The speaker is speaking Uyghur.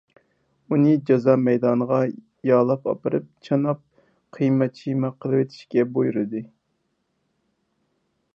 ئۇنى جازا مەيدانىغا يالاپ ئاپىرىپ، چاناپ قىيما - چىيما قىلىۋېتىشكە بۇيرۇدى.